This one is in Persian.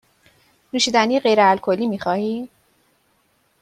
نوشیدنی غیر الکلی می خواهی؟